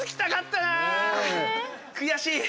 悔しい！